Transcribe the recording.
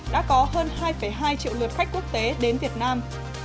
đã có hơn hai hai triệu lượt khách quốc tế đến việt nam